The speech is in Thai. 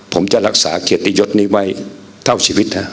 ผมจะรักษาเกียรติยศนี้ไว้เท่าชีวิตนะ